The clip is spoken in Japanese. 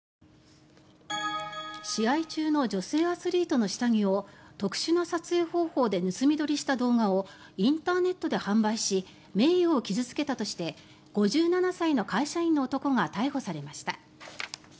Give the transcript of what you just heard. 試合中の女性アスリートの下着を特殊な撮影方法で盗み撮りした動画をインターネットで販売し名誉を傷付けたとして５７歳の会社員の男が逮捕されました。